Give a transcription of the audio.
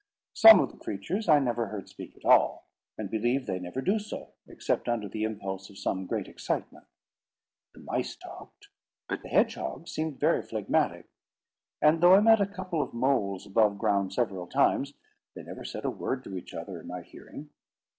Some of the creatures I never heard speak at all, and believe they never do so, except under the impulse of some great excitement. The mice talked; but the hedgehogs seemed very phlegmatic; and though I met a couple of moles above ground several times, they never said a word to each other in my hearing.